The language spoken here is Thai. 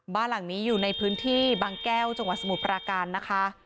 บ้านหลังนี้อยู่ในพื้นที่บางแก้วจังหวัดสมุทรปราการนะคะ